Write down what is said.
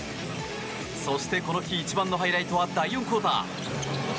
そしてこの日一番のハイライトは第４クオーター。